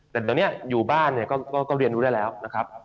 แต่ตอนนี้อยู่บ้านเนี่ยก็เรียนรู้ได้แล้วนะครับ